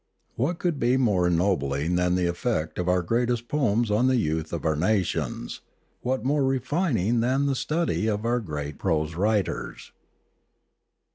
What could be more ennobling than the effect of our greatest poems on the youth of our nations, what more refining than the study of our great prose writers